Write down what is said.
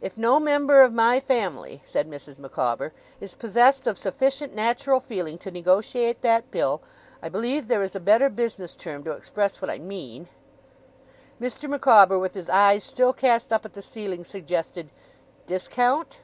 'If no member of my family,' said Mrs. Micawber, 'is possessed of sufficient natural feeling to negotiate that bill I believe there is a better business term to express what I mean ' Mr. Micawber, with his eyes still cast up at the ceiling, suggested 'Discount.